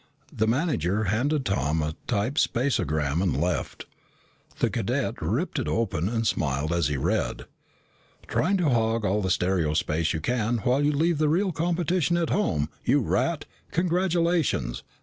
The manager handed Tom a typed space o gram and left. The cadet ripped it open and smiled as he read: TRYING TO HOG ALL THE STEREO SPACE YOU CAN WHILE YOU LEAVE THE REAL COMPETITION AT HOME, YOU RAT! CONGRATULATIONS!